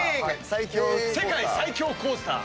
世界最強コースター！